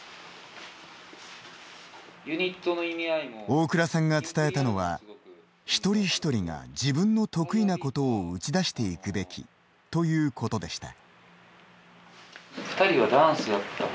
大倉さんが伝えたのは一人ひとりが自分の得意なことを打ち出していくべきということでした。